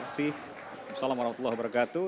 wa'alaikumussalam warahmatullah wabarakatuh